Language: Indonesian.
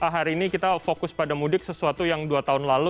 hari ini kita fokus pada mudik sesuatu yang dua tahun lalu